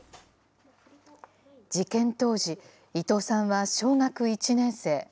事件当時、伊藤さんは小学１年生。